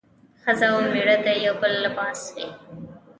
ښځه او مېړه د يو بل لباس وي